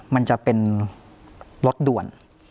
มันจะเป็นรถด่วน